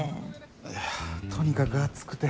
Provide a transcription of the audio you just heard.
いやとにかく暑くて。